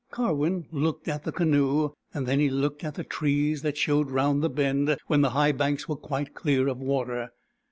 Karwin looked at the canoe, and then he looked at the trees that showed round the bend, when the high banks were quite clear of water.